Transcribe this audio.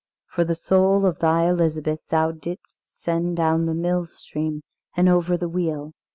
For the soul of thy Elizabeth thou didst send down the mill stream and over the wheel."